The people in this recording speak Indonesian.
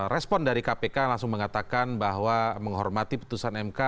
respon dari kpk langsung mengatakan bahwa menghormati putusan mk